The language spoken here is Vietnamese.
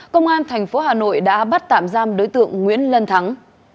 công an tp hà nội đã bắt tạm giam đối tượng nguyễn lân thắng